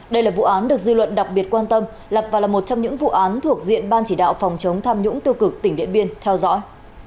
đây là vụ án được dư luận đặc biệt quan tâm lập và là một trong những vụ án thuộc diện ban chỉ đạo phòng chống tham nhũng tư cực tỉnh điện biên theo dõi